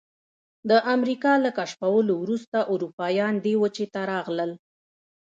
د امریکا له کشفولو وروسته اروپایان دې وچې ته راغلل.